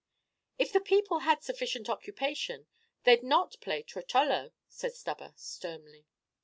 "If the people had sufficient occupation, they 'd not play 'Trottolo,'" said Stubber, sternly.